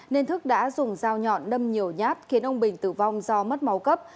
nên thức đã dùng dao nhọn nâm nhiều nhát khiến ông bình tử vong do mất máu cấp